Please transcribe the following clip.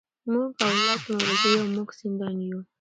موږ اولاد د مبارک یو موږ سیدان یو